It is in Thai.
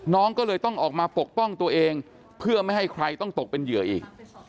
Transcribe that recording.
น้องก็เลยต้องออกมาปกป้องตัวเองเพื่อไม่ให้ใครต้องตกเป็นเหยื่ออีก